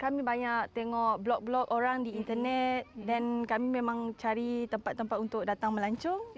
kami banyak tengok blok blok orang di internet dan kami memang cari tempat tempat untuk datang melancong